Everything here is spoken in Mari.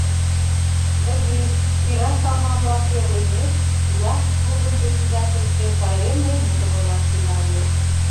Тыге, кира салма-влак тӧр лиймек, яхт-клубын председательже пайремле мутым ойлаш тӱҥале.